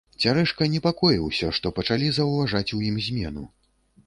Цярэшка непакоіўся, што пачалі заўважаць у ім змену.